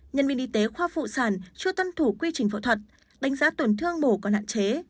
nhân viên y tế khoa phụ sản chưa tân thủ quy trình phẫu thuật đánh giá tổn thương mổ còn hạn chế